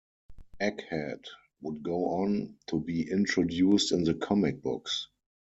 Egghead would go on to be introduced in the comic books.